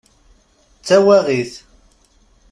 D tawaɣit!